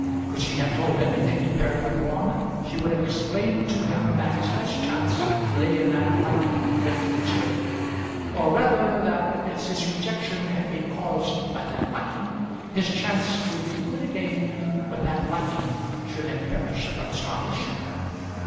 Could she have told everything to Peregrine Orme she would have explained to him that his best chance lay in that liking for Felix Graham; or, rather, that as his rejection had been caused by that liking, his chance would be good again when that liking should have perished from starvation.